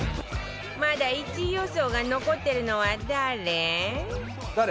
まだ１位予想が残ってるのは誰？